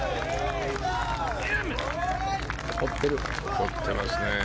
怒ってますね。